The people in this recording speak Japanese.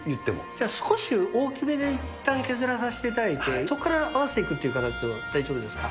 じゃあ、少し大きめでいったん削らさせていただいて、そこから合わせていくという形で大丈夫ですか？